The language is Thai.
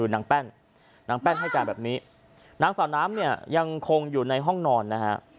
นางแป้นนางแป้นให้การแบบนี้นางสาวน้ำเนี่ยยังคงอยู่ในห้องนอนนะฮะ